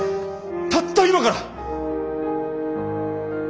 たった今から。